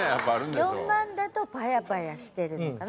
４万だとパヤパヤしてるのかな？